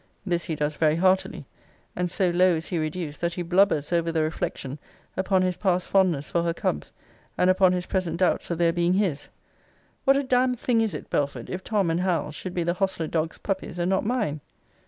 This he does very heartily. And so low is he reduced, that he blubbers over the reflection upon his past fondness for her cubs, and upon his present doubts of their being his: 'What a damn'd thing is it, Belford, if Tom and Hal should be the hostler dog's puppies and not mine!'